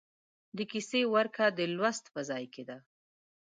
د کیسې ورکه د لوست په ځای کې ده.